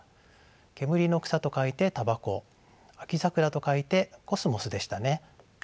煙の草と書いて「タバコ」秋桜と書いて「コスモス」でしたね。